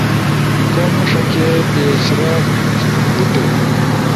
کم ݜکے، پیشرفت، بوٹے